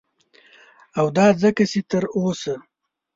او دا ځکه چه تر اوسه